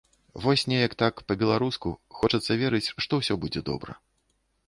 Вось неяк так, па-беларуску, хочацца верыць, што ўсё будзе добра.